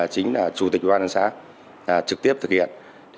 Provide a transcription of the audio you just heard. chính là chủ tịch ubnd xã trực tiếp thực hiện